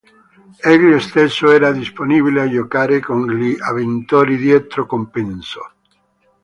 Egli stesso era disponibile a giocare con gli avventori dietro compenso.